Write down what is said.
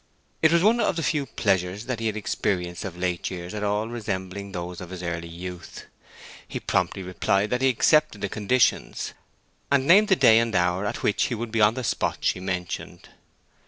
It was one of the few pleasures that he had experienced of late years at all resembling those of his early youth. He promptly replied that he accepted the conditions, and named the day and hour at which he would be on the spot she mentioned.